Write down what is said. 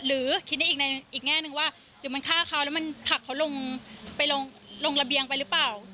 หรือคิดได้อีกแง่นึงว่าหรือมันฆ่าเขาแล้วมันผลักเขาลงไปลงระเบียงไปหรือเปล่า